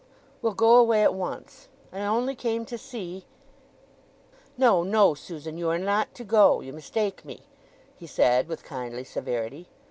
"We'll go away at once. I only came to see—" "No, no, Susan; you are not to go—you mistake me!" he said with kindly severity.